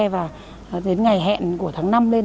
và đến ngày hẹn của tháng năm lên